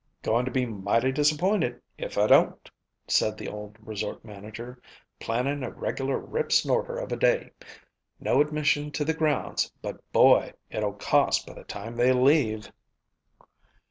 "Goin' to be mighty disappointed if I don't," said the old resort manager. "Plannin' a regular rip snorter of a day. No admission to the grounds, but Boy! it'll cost by the time they leave."